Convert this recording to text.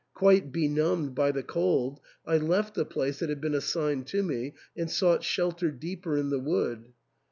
Quite benumbed by the cold, I left the place that had been iassigned to me and sought shelter deeper in the wood.